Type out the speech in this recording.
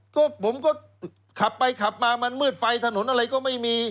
ก็ผมก็ขับไปขับมามันมืดไฟถนนอะไรก็ไม่มี